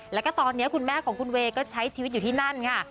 แล้วก็ตอนนี้คุณแม่ของคุณเวย์ก็ใช้ชีวิตอยู่ที่นั่นค่ะ